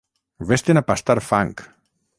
Ves-te'n a pastar fang!